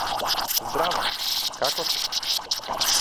Здраво. Како си?